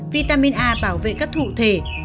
vitamin a bảo vệ các thụ thể